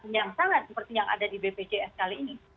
yang sangat seperti yang ada di bpjs kali ini